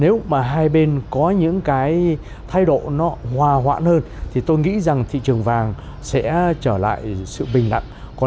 nếu mà hai bên có những cái thay độ nó hòa hoãn hơn thì tôi nghĩ rằng thị trường vàng sẽ trở lại sự bình đẳng